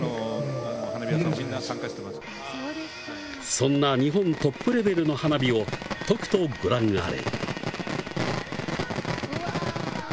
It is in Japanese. そんな日本トップレベルの花火をとくとご覧あれ。